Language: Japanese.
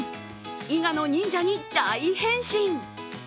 伊賀の忍者に大変身。